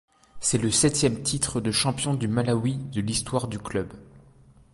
C'est le septième titre de champion du Malawi de l'histoire du club.